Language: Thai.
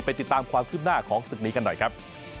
ติดตามความคืบหน้าของศึกนี้กันหน่อยครับ